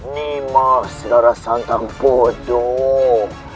nimas darah santang bodoh